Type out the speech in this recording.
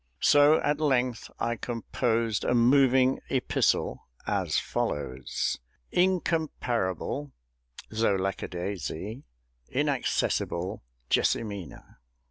So at length I composed a moving epistle, as follows: INCOMPARABLE THOUGH LACK A DAISY! INACCESSIBLE JESSIMINA!